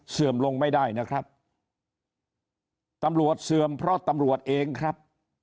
เสื่อมลงไม่ได้นะครับตำรวจเสื่อมเพราะตำรวจเองครับ